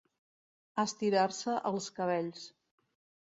Estirar-se els cabells.